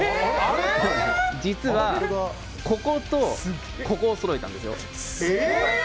実はこことここをそろえたんですよ。